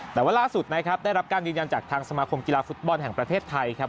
แต่ว่าล่าสุดนะครับได้รับการยืนยันจากทางสมาคมกีฬาฟุตบอลแห่งประเทศไทยครับ